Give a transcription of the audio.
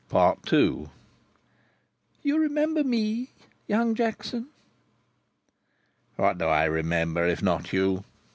II "You remember me, Young Jackson?" "What do I remember if not you?